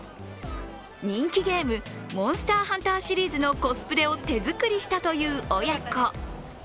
人気ゲーム「モンスターハンターシリーズ」のコスプレを手作りしたという親子。